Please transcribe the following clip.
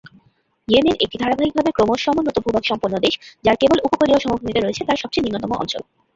Yemen একটি ধারাবাহিকভাবে ক্রমশ সমুন্নত ভূভাগ সম্পন্ন দেশ যার কেবল উপকূলীয় সমভূমিতে রয়েছে তার সবচেয়ে নিম্নতম অঞ্চল।